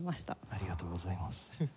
ありがとうございます。